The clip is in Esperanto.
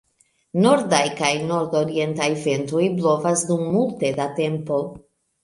Nordaj kaj nordorientaj ventoj blovas dum multe da tempo.